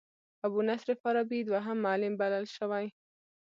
ابو نصر فارابي دوهم معلم بلل شوی.